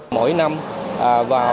mỗi năm vào